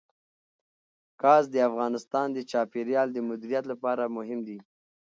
ګاز د افغانستان د چاپیریال د مدیریت لپاره مهم دي.